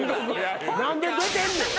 何で出てんねん。